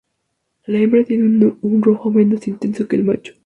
La hembra tiene un rojo menos intenso que el macho.